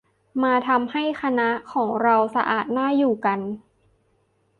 "มาทำให้คณะของเรา สะอาดน่าอยู่กัน"